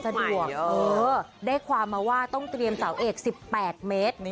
ได้ความมาว่าต้องเตรียมเสาเอก๑๘เมตร